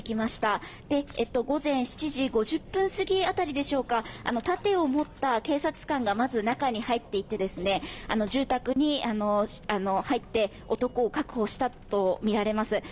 そして午前７時５０分過ぎあたりでしょうか、盾を持った警察官がまず中に入って行き、住宅に入って男を確保したとみられます。